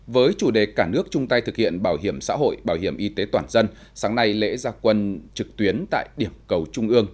với chủ đề cả nước chung tay thực hiện bảo hiểm xã hội bảo hiểm y tế toàn dân sáng nay lễ gia quân trực tuyến tại điểm cầu trung ương